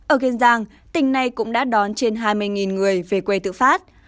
ở kiên giang tỉnh này cũng đã đón trên hai mươi người về quê tự phát